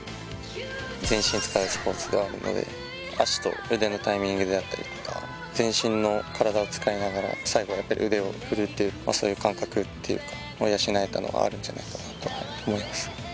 全身を使うスピードなので足と腕のタイミングであったりとか、全身の体を使いながら最後はやっぱり腕を振るという、そういう感覚というというか、養えたのがあるんじゃないかと思います。